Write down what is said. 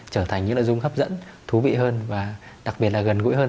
trở thành những nội dung hấp dẫn thú vị hơn và đặc biệt là gần gũi hơn